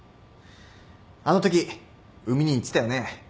あのとき海兄言ってたよね。